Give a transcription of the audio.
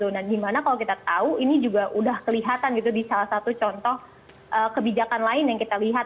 nah gimana kalau kita tahu ini juga udah kelihatan gitu di salah satu contoh kebijakan lain yang kita lihat